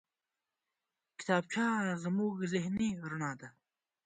کتابچه زموږ ذهني رڼا ده